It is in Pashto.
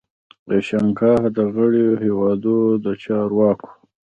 د شانګهای د غړیو هیوادو د چارواکو